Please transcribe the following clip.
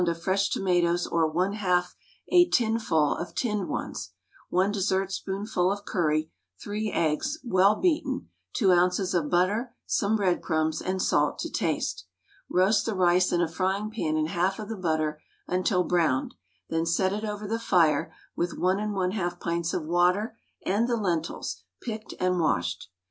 of fresh tomatoes or 1/2 a tinful of tinned ones, 1 dessertspoonful of curry, 3 eggs, well beaten, 2 oz. of butter, some breadcrumbs, and salt to taste. Roast the rice in a frying pan in half of the butter until browned; then set it over the fire with 1 1/2 pints of water and the lentils, picked and washed.